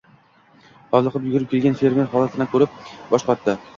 Hovliqib yugurib kelgan fermer holatni koʻrib, boshi qotdi